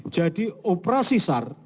jadi operasi sar